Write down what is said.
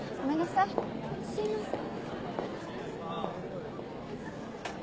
すいません。